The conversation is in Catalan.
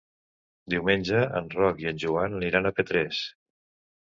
Diumenge en Roc i en Joan aniran a Petrés.